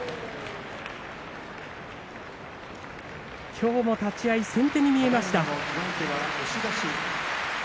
きょう、立ち合い先手を取りました。